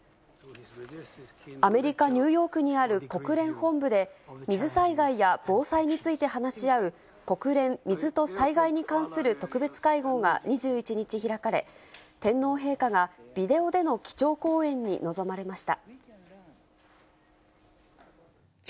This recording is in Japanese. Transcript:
アメリカ・ニューヨークにある国連本部で、水災害や防災について話し合う、国連水と災害に関する特別会合が２１日、開かれ、天皇陛下がビデオでの基調講演に臨まれました。